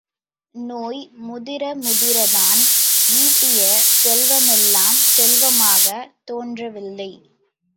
நோய் முதிர முதிரத் தான் ஈட்டிய செல்வ மெல்லாம் செல்வமாகத் தோன்ற வில்லை.